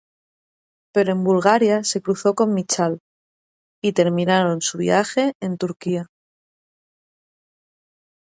Pero en Bulgaria se cruzó con Michal, y terminaron su viaje en Turquía.